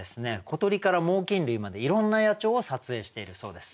小鳥から猛きん類までいろんな野鳥を撮影しているそうです。